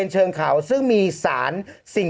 โอเคโอเคโอเคโอเคโอเค